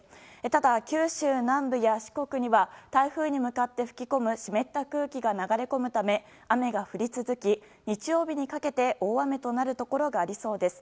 ただ、九州南部や四国には台風に向かって吹き込む湿った空気が流れ込むため雨が降り続き日曜日にかけて大雨になるところがありそうです。